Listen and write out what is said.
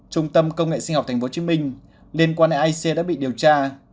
trung tâm công nghệ sinh học tp hcm liên quan đến aic đã bị điều tra